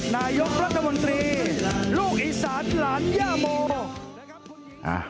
นายกรัฐมนตรีลูกอีสานหลานย่าโม